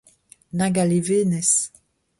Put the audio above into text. Nag a levenez !